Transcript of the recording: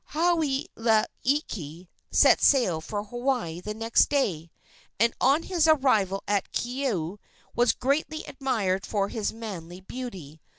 Hauailiki set sail for Hawaii the next day, and on his arrival at Keaau was greatly admired for his manly beauty.